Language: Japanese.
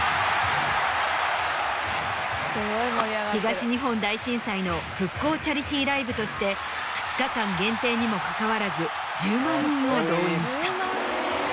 東日本大震災の復興チャリティーライブとして２日間限定にもかかわらず１０万人を動員した。